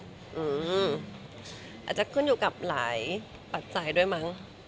อาจจะขึ้นอยู่กับหลายปัจจัยด้วยมั้ง